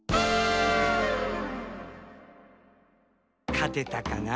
かてたかな？